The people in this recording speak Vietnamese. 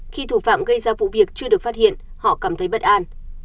khi thủ phạm gây ra vụ việc chưa được phát hiện họ cảm thấy bất an